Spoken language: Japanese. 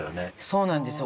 そうなんですよ。